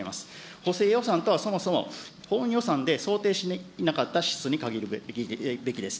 補正予算とはそもそも、本予算で想定しなかった予算に限るべきです。